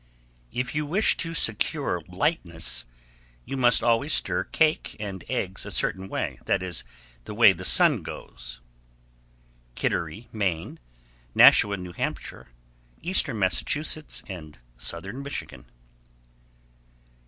_ 1142. If you wish to secure lightness, you must always stir cake and eggs a certain way, that is, the way the sun goes. _Kittery, Me., Nashua, N.H., Eastern Massachusetts, and Southern Michigan.